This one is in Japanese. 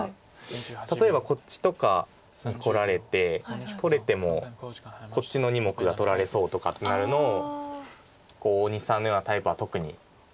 例えばこっちとかにこられて取れてもこっちの２目が取られそうとかってなるのを大西さんのようなタイプは特に。